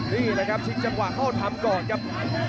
นี่แหละครับชิงจังหวะเข้าทำก่อนครับ